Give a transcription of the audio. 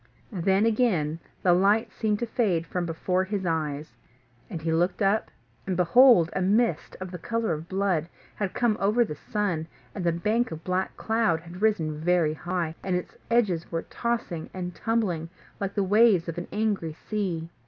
Then again the light seemed to fade from before his eyes, and he looked up, and, behold, a mist, of the colour of blood, had come over the sun; and the bank of black cloud had risen very high, and its edges were tossing and tumbling like the waves of an angry sea.